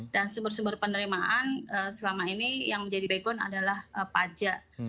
dan sumber sumber penerimaan selama ini yang menjadi begon adalah pajak